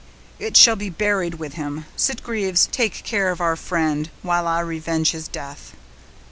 "It shall be buried with him. Sitgreaves, take care of our friend, while I revenge his death."